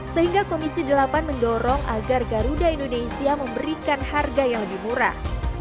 sehingga komisi delapan mendorong agar garuda indonesia memberikan harga yang lebih murah